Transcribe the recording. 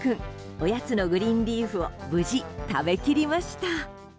おやつのグリーンリーフを無事、食べきりました。